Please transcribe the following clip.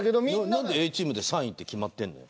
何でＡチームで３位って決まってんだよ。